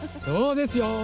そうですよ。